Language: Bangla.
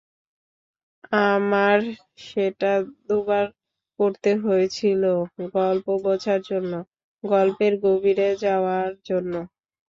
আমার সেটা দুবার পড়তে হয়েছিল গল্প বোঝার জন্য, গল্পের গভীরে যাওয়ার জন্য।